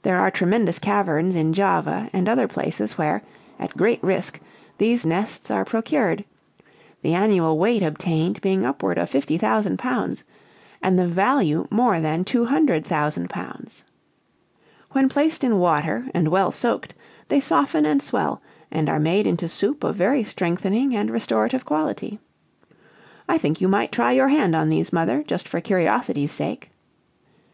"There are tremendous caverns in Java and other places where, at great risk, these nests are procured; the annual weight obtained being upward of fifty thousand pounds, and the value more than £200,000. "When placed in water and well soaked, they soften and swell, and are made into soup of very strengthening and restorative quality. "I think you might try your hand on these, mother, just for curiosity's sake."